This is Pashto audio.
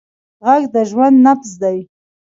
غږ د ژوند نبض دی